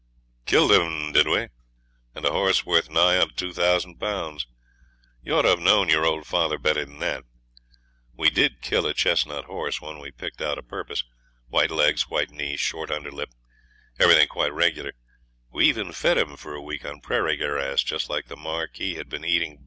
'Killed him, did we? And a horse worth nigh on to two thousand pounds. You ought to have known your old father better than that. We did kill A chestnut horse, one we picked out a purpose; white legs, white knee, short under lip, everything quite regular. We even fed him for a week on prairie grass, just like the Marquis had been eating.